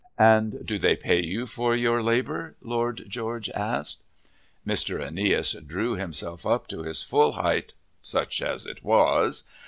"And do they pay you for your labour?" Lord George asked. Mr. Aeneas drew himself up to his full height, such as it was.